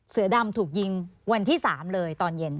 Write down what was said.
เสือดำถูกยิงวันที่๓เลยตอนเย็น